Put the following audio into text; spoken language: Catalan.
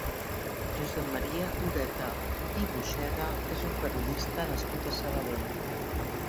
Josep Maria Ureta i Buxeda és un periodista nascut a Sabadell.